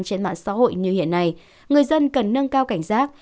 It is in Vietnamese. trên mạng xã hội như hiện nay người dân cần nâng cao cảnh giác